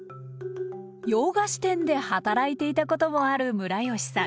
洋菓子店で働いていたこともあるムラヨシさん。